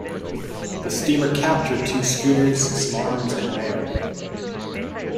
The steamer captured two schooners, some arms and mail.